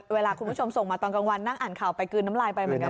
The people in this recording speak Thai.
เวลาคุณผู้ชมส่งมาตอนกลางวันนั่งอ่านข่าวไปกลืนน้ำลายไปเหมือนกัน